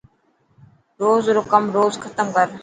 روز رو ڪم روز ختم ڪر.